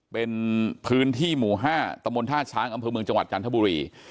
เป็นพื้นที่หมู่๕ตะมนต์ท่าช้างอำเภอเมืองจังหวัดจันทบุรี